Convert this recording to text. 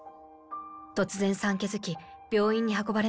突然産気づき病院に運ばれました。